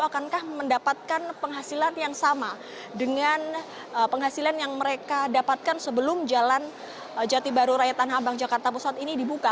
akankah mendapatkan penghasilan yang sama dengan penghasilan yang mereka dapatkan sebelum jalan jati baru raya tanah abang jakarta pusat ini dibuka